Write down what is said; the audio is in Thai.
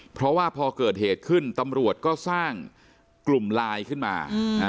เพราะว่าพอเกิดเหตุขึ้นตำรวจก็สร้างกลุ่มไลน์ขึ้นมา